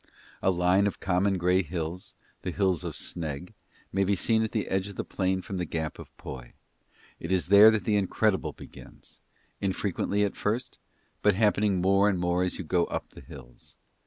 A line of common grey hills, the Hills of Sneg, may be seen at the edge of the plain from the Gap of Poy; it is there that the incredible begins, infrequently at first, but happening more and more as you go up the hills.